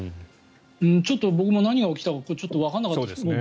ちょっと僕も何が起きたかわからなかったです。